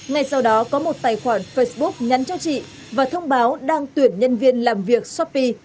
ngay sau đó có một tài khoản facebook nhắn cho chị và thông báo đang tuyển nhân viên làm việc shopee